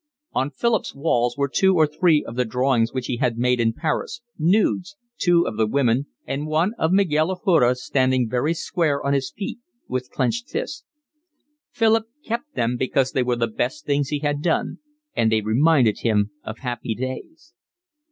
On Philip's walls were two or three of the drawings which he had made in Paris, nudes, two of women and one of Miguel Ajuria, standing very square on his feet, with clenched fists. Philip kept them because they were the best things he had done, and they reminded him of happy days.